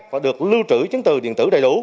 và được lưu trữ chứng từ điện tử đầy đủ